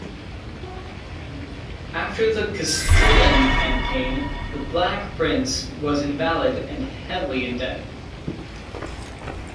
After the Castillan campaign, the Black Prince was invalid and heavily in debt.